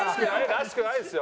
らしくないですよ。